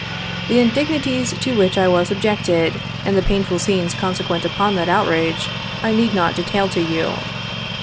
The indignities to which I was sub jected, and the painful scenes consequent upon that outrage, I need not detail to you.